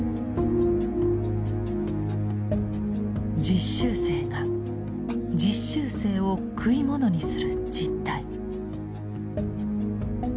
実習生が実習生を食い物にする実態。